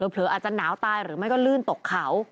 เผลออาจจะหนาวตายหรือไม่ก็ลื่นตกเขา